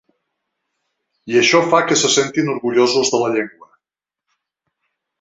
I això fa que se sentin orgullosos de la llengua.